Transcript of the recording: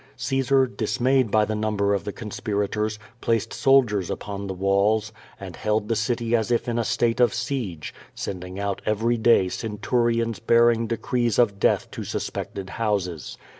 Caesar, dismayed by the number of the conspirators, placed soldiers upon the walls, and held the city as if in a state of siege; sending out every day centurions bearing decrees of death to suspected houses.